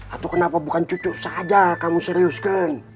atau kenapa bukan cucu saja kamu serius kan